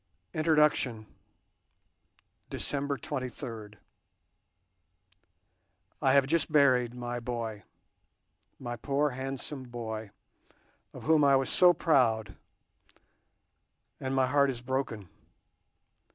INTRODUCTION December 23 "I have just buried my boy, my poor handsome boy of whom I was so proud, and my heart is broken.